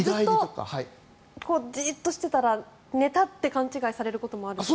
じっとしていたら寝たって勘違いされることもあるんですか？